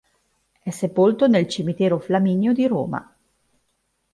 È sepolto nel cimitero Flaminio di Roma.